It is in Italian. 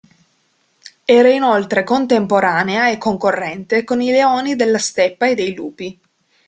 Era inoltre contemporanea e concorrente con i leoni della steppa e dei lupi.